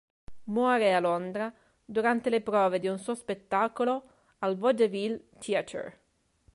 Muore a Londra durante le prove di un suo spettacolo al Vaudeville Theatre.